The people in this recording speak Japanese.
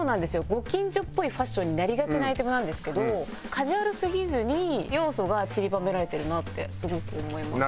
ご近所っぽいファッションになりがちなアイテムなんですけどカジュアルすぎずに要素がちりばめられてるなってすごく思います。